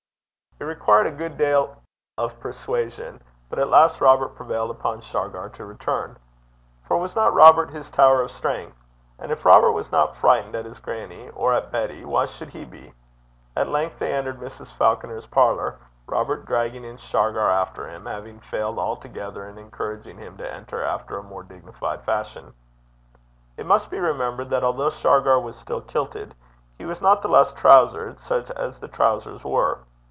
It required a good deal of persuasion, but at last Robert prevailed upon Shargar to return. For was not Robert his tower of strength? And if Robert was not frightened at his grannie, or at Betty, why should he be? At length they entered Mrs. Falconer's parlour, Robert dragging in Shargar after him, having failed altogether in encouraging him to enter after a more dignified fashion. It must be remembered that although Shargar was still kilted, he was not the less trowsered, such as the trowsers were.